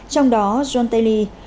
trong đó john taiji